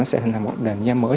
nó sẽ hình thành một đền giá mới